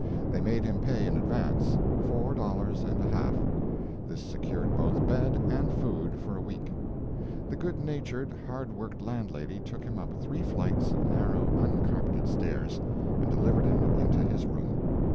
They made him pay in advance—four dollars and a half; this secured both bed and food for a week. The good natured, hardworked landlady took him up three flights of narrow, uncarpeted stairs and delivered him into his room.